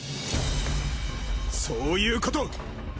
そういうこと。